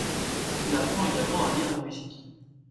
Il apprend également à lire la musique.